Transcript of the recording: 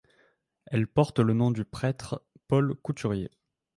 Elle porte le nom du prêtre Paul Couturier.